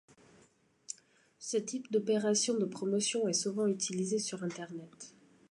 Ce type d'opérations de promotion est souvent utilisé sur Internet.